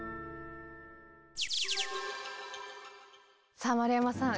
さあ丸山さん